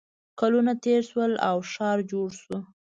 کلونه تېر شول او ښار جوړ شو